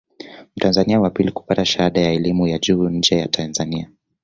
Mtanzania wa pili kupata shahada ya elimu ya juu nje ya Tanzania